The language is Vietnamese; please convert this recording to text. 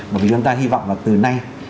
bởi vì chúng ta hy vọng là từ nay